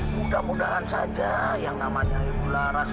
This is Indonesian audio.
mudah mudahan saja yang namanya ibu laras